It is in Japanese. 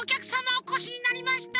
おこしになりました。